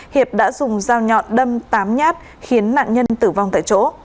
hiệp đã dùng dao nhọn đâm tám nhát khiến nạn nhân tử vong tại chỗ